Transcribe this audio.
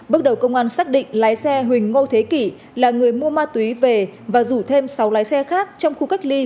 bước đầu công an xác định lái xe huỳnh ngô thế kỷ là người mua ma túy về và rủ thêm sáu lái xe khác trong khu cách ly